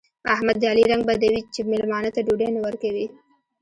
احمد د علي رنګ بدوي چې مېلمانه ته ډوډۍ نه ورکوي.